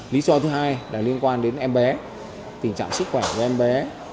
lý do thứ hai là liên quan đến em bé tình trạng sức khỏe của em bé